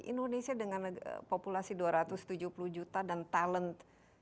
indonesia dengan populasi dua ratus tujuh puluh juta dan talent